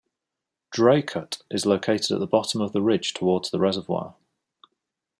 Draycote is located at the bottom of the ridge towards the reservoir.